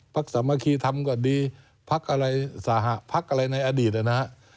พักสามัคคีทำก่อนดีพักอะไรในอดีตนะฮะ